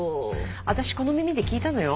私この耳で聞いたのよ